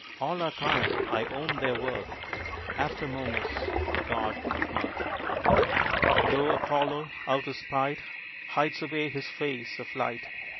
All are kind, I own their worth, After Momus, god of mirth. Though Apollo, out of spite, Hides away his face of light.